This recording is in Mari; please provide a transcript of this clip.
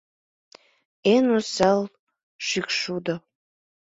Эн осал шӱкшудо.